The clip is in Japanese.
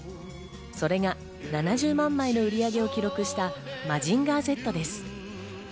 それが７０万枚の売り上げを記録した『マジンガーＺ』です。